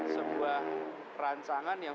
sebuah rancangan yang